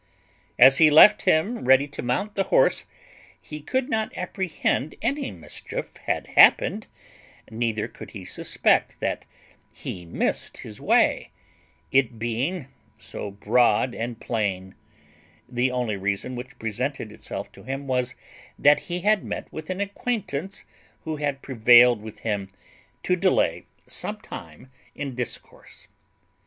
As he left him ready to mount the horse, he could not apprehend any mischief had happened, neither could he suspect that he missed his way, it being so broad and plain; the only reason which presented itself to him was, that he had met with an acquaintance who had prevailed with him to delay some time in discourse.